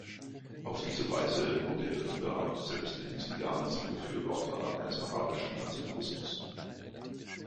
Auf diese Weise wurde Ridā selbst in diesen Jahren zum Befürworter eines arabischen Nationalismus.